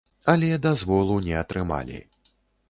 Але дазволу не атрымалі.